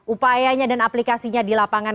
upayanya dan aplikasinya di lapangan